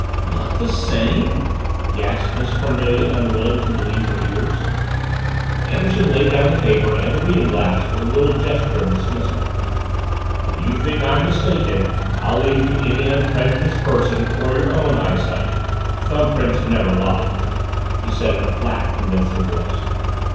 "Not the same!" gasped Miss Cornelia, unwilling to believe her ears. Anderson laid down the paper and the reading glass with a little gesture of dismissal. "If you think I'm mistaken, I'll leave it to any unprejudiced person or your own eyesight. Thumbprints never lie," he said in a flat, convincing voice.